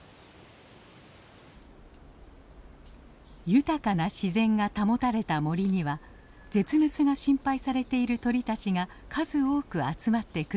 豊かな自然が保たれた森には絶滅が心配されている鳥たちが数多く集まってくるのです。